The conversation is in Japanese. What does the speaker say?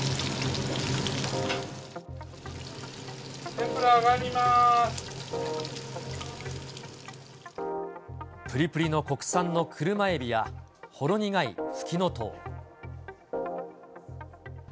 天ぷら、ぷりぷりの国産の車エビや、ほろ苦いフキノトウ。